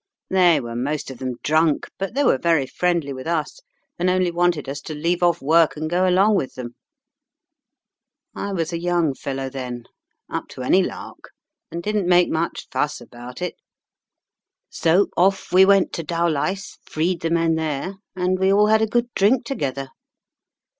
They were most of them drunk, but they were very friendly with us, and only wanted us to leave off work and go along with them. I was a young fellow then, up to any lark, and didn't make much fuss about it. So off we went to Dowlais, freed the men there, and we all had a good drink together.